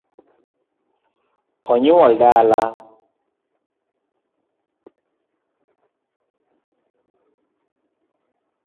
Onyuol dala